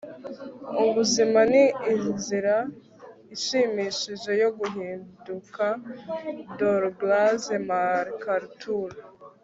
ubuzima ni inzira ishimishije yo guhinduka. - douglas macarthur